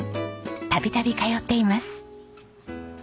度々通っています。